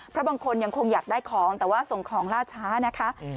เพราะบางคนยังคงอยากได้ของแต่ว่าส่งของล่าช้านะคะ